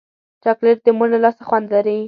چاکلېټ د مور له لاسه خوند لري.